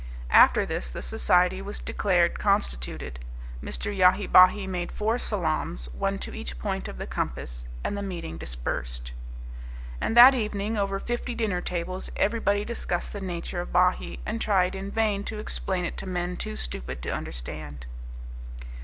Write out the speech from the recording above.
After this the society was declared constituted, Mr. Yahi Bahi made four salaams, one to each point of the compass, and the meeting dispersed. And that evening, over fifty dinner tables, everybody discussed the nature of Bahee, and tried in vain to explain it to men too stupid to understand.